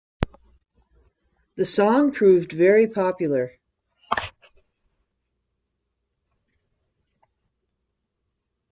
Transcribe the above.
The song proved very popular.